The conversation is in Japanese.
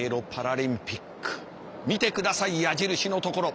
見て下さい矢印のところ。